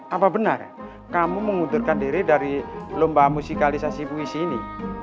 apa benar kamu mengundurkan diri dari lomba musikalisasi puisi ini